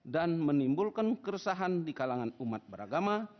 dan menimbulkan keresahan di kalangan umat beragama